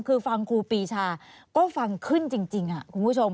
คือฟังครูปีชาก็ฟังขึ้นจริงคุณผู้ชม